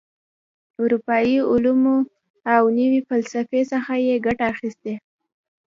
اروپايي علومو او نوي فسلفې څخه یې ګټه اخیستې.